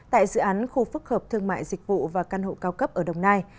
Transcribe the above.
tại dự án khu phức hợp thương mại dịch vụ và căn hộ cao cấp ở đồng nai